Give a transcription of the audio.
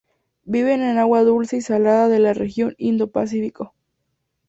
Viven en agua dulce y salada de la región Indo-Pacífico.